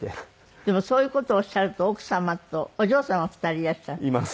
でもそういう事をおっしゃると奥様とお嬢様は２人いらっしゃる？います。